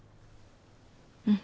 うん。